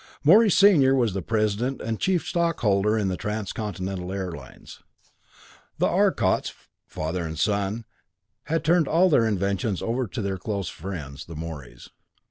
Morey Senior was the president and chief stockholder in the Transcontinental Air Lines. The Arcots, father and son, had turned all their inventions over to their close friends, the Moreys.